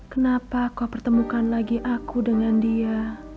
kenapa kau pertemukan lagi aku dengan dia